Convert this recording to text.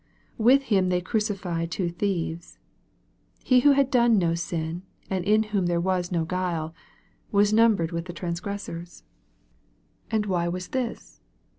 " With him they crucify two thieves." He who had done no sin, and in whom there was no guile, " was numbered with the transgressors." And why was this